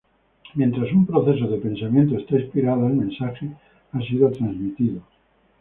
Mientras un proceso de pensamiento está inspirada, el mensaje ha sido transmitido.